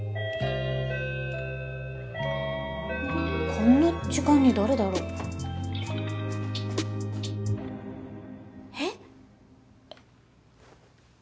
こんな時間に誰だろう？えっ！？